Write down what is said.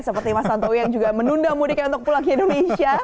seperti mas tantowi yang juga menunda mudiknya untuk pulang ke indonesia